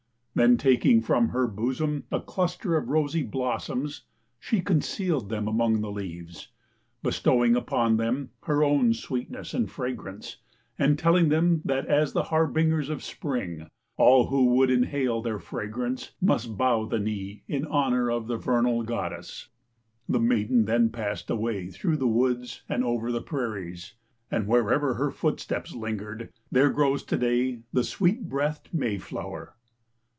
Then taking from her bosom a cluster of rosy blossoms, she concealed them among the leaves, bestowing upon them her own sweetness and fragrance and telling them that as the harbingers of spring, all who would inhale their fragrance, must bow the knee in honor of the vernal goddess. The maiden then passed away through the woods and over the prairies and wherever her footsteps lingered, there grows today the sweet breathed mayflower.